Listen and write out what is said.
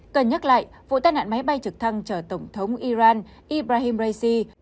cần nhắc lại vụ tai nạn máy bay trực thăng chở tổng thống iran ibrahim raisi